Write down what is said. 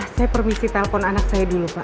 saya permisi telpon anak saya dulu pak